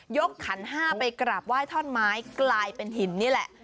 ขันห้าไปกราบไหว้ท่อนไม้กลายเป็นหินนี่แหละ